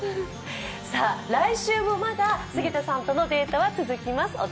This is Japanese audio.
来週もまだ菅田さんとのデートは続きます。